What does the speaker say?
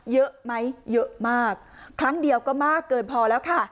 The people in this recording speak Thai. เยอะไหมเยอะมากครั้งเดียวก็มากเกินพอแล้วค่ะ